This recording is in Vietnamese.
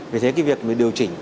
vì thế cái việc điều chỉnh